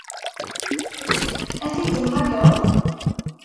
Ad t-id-temmagreḍ?